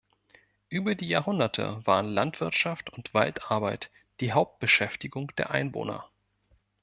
Über die Jahrhunderte waren Landwirtschaft und Waldarbeit die Hauptbeschäftigung der Einwohner.